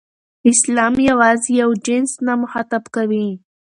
اسلام یوازې یو جنس نه مخاطب کوي.